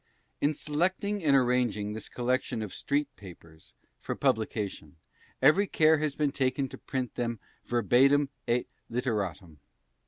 In selecting and arranging this collection of "Street Papers" for publication, every care has been taken to print them verbatim et literatim.